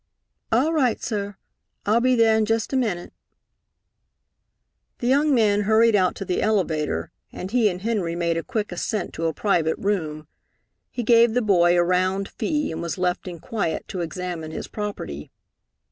"All right, sah. I'll be thah in jest a minute." The young man hurried out to the elevator, and he and Henry made a quick ascent to a private room. He gave the boy a round fee, and was left in quiet to examine his property.